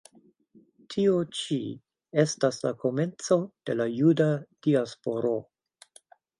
Tio ĉi estas la komenco de la Juda diasporo.